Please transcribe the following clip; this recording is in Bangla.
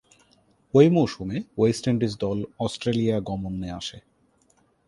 ঐ মৌসুমে ওয়েস্ট ইন্ডিজ দল অস্ট্রেলিয়া গমনে আসে।